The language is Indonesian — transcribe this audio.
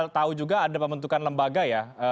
tahu juga ada pembentukan lembaga ya